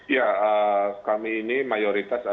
ya kami ini mayoritas